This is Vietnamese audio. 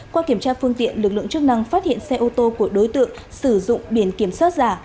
qua kiểm tra phương tiện lực lượng chức năng phát hiện xe ô tô của đối tượng sử dụng biển kiểm soát giả